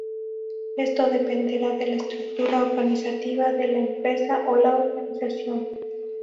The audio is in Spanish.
Esto dependerá de la estructura organizativa de la empresa o la organización.